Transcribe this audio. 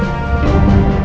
uang bahasa indonesia